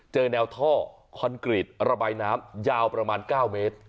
เจอแนวท่อคอนกรีตระบายน้ำยาวประมาณ๙เมตร